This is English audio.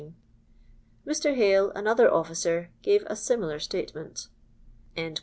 Mr. Hale, another officer, gave a similar statement."